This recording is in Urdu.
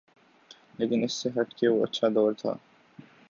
لیکن اس سے ہٹ کے وہ اچھا دور تھا۔